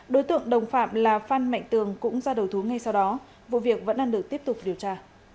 đối tượng đồng phạm là phan mạnh tường cũng ra đầu thú ngay sau đó vụ việc vẫn đang được tiếp tục điều tra